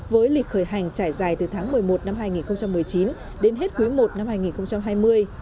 với lịch khởi hành trải dài từ tháng một mươi một năm hai nghìn một mươi chín đến hết quý i năm hai nghìn hai mươi